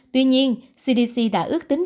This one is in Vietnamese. tuy nhiên cdc đã ước tính